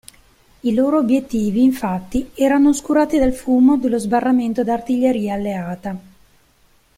I loro obiettivi infatti erano oscurati dal fumo dello sbarramento d'artiglieria alleata.